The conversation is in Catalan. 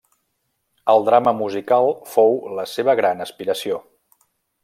El drama musical fou la seva gran aspiració.